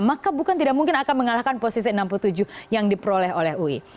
maka bukan tidak mungkin akan mengalahkan posisi enam puluh tujuh yang diperoleh oleh ui